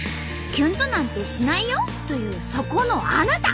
キュンとなんてしないよ？というそこのあなた！